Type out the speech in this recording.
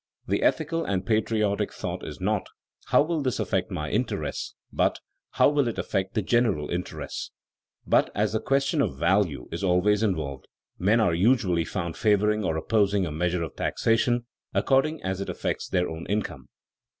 The ethical and patriotic thought is not, "How will this affect my interests?" but, "How will it affect the general interests?" But as the question of value is always involved, men are usually found favoring or opposing a measure of taxation according as it affects their own income.